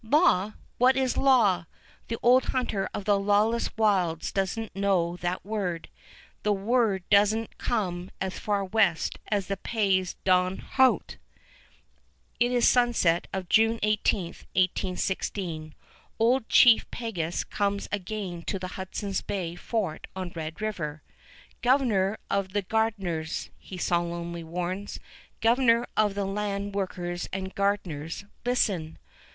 Law! What is law? The old hunter of the lawless wilds does n't know that word. That word does n't come as far west as the Pays d'en Haut. It is sunset of June 18, 1816. Old chief Peguis comes again to the Hudson's Bay fort on Red River. "Governor of the gard'ners!" he solemnly warns; "governor of the land workers and gard'ners, listen!